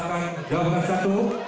jawa barat satu